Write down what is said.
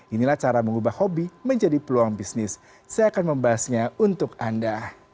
inilah cara mengubah hobi menjadi peluang bisnis saya akan membahasnya untuk anda